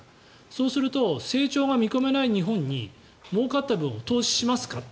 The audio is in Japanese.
そうすると成長が見込めない日本にもうかった分を投資しますか？